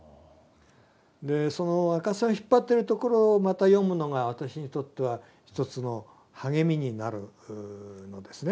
でその赤線を引っ張ってるところをまた読むのが私にとっては一つの励みになるのですね。